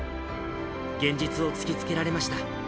現実を突きつけられました。